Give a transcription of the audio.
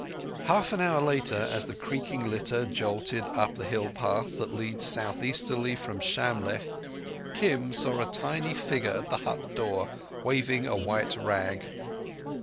Half an hour later, as the creaking litter jolted up the hill path that leads south easterly from Shamlegh, Kim saw a tiny figure at the hut door waving a white rag.